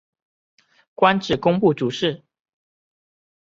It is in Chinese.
官至工部主事。